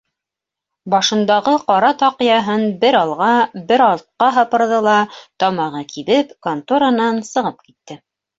Башындағы ҡара таҡыяһын бер алға, бер артҡа һыпырҙы ла, тамағы кибеп, конторанан сығып китте.